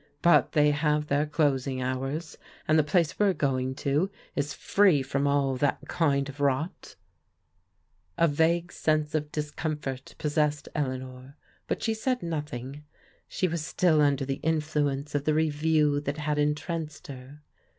But they have their closing hours, and the place we're going to is free from all that kind of rot." A vague sense of discomfort possessed Eleanor, but she said nothing. She was still under the influence of the Revue that had entranced her.